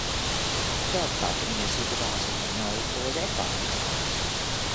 Dat bart yn de sitewaasje fan no oars ek al.